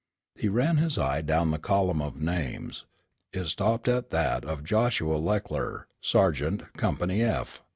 He ran his eye down the column of names. It stopped at that of Joshua Leckler, Sergeant, Company F.